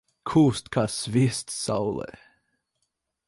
Kūst kā sviests saulē.